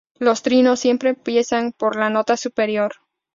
Los trinos siempre empiezan por la nota superior.